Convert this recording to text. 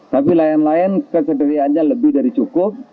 tapi lain lain kesediriannya lebih dari cukup